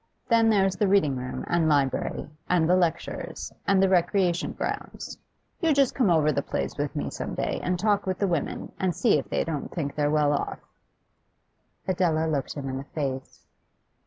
Then there's the reading room and library, and the lectures, and the recreation grounds. You just come over the place with me some day, and talk with the women, and see if they don't think they're well off.' Adela looked him in the face.